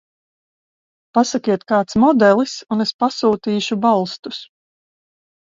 Pasakiet kāds modelis un es pasūtīšu balstus.